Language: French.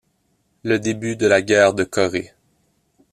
Le début de la Guerre de Corée...